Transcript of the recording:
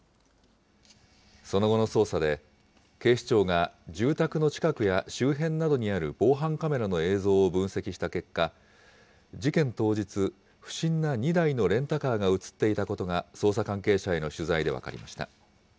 その後の捜査で、警視庁が住宅の近くや周辺などにある防犯カメラの映像を分析した結果、事件当日、不審な２台のレンタカーが写っていたことが、捜査関係者への取材で分かりました。